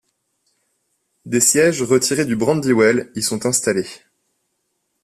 Des sièges, retirés du Brandywell, y sont installés.